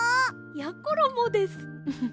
やころもです。